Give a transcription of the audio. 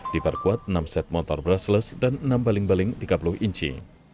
diperkuat enam set motor brushless dan enam baling baling tiga puluh inci